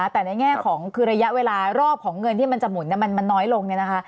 แต่ในแง่ของคือระยะเวลารอบของเงินที่มันจะหมุนมันน้อยลง